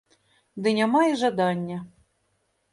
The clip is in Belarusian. Ды няма і жадання.